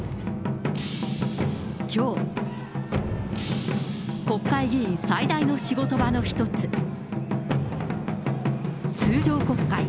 きょう、国会議員最大の仕事場の一つ、通常国会。